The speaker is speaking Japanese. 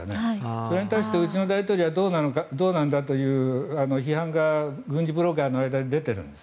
それに対してうちの大統領はどうなんだという批判が軍事ブロガーの間で出ているんです。